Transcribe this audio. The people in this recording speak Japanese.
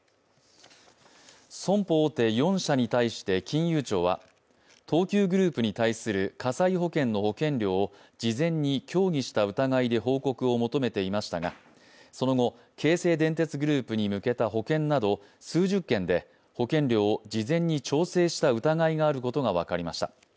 損保大手４社に対して金融庁は東急グループに対する火災保険の保険料を事前に協議した疑いで報告を求めていましたが、京成電鉄グループに向けた保険など数十件で保険料を事前に調整した疑いがあることが分かりました。